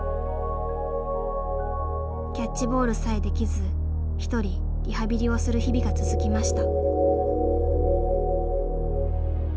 キャッチボールさえできず一人リハビリをする日々が続きました。